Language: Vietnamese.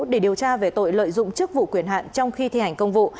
để điều tra về tội lợi dụng chức vụ quyền hạn trong khi thi hành công vụ